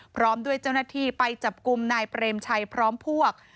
พร้อมด้วยเจ้าหน้าที่ไปจับกลุ่มนายเปรมชัยพร้อมพวก